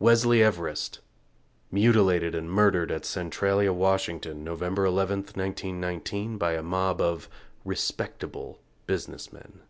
WESLEY EVEREST (Mutilated and murdered at Centralia, Washington, November 11th, 1919, by a mob of "respectable" businessmen.)